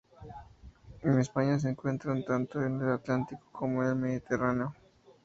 En España se encuentran tanto en el Atlántico como en el Mediterráneo.